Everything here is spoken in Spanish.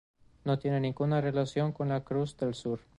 No tiene ninguna relación con la Cruz del sur.